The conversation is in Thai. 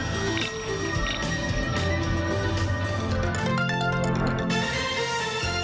สวัสดีครับสวัสดีครับ